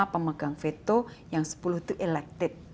lima pemegang veto yang sepuluh itu elected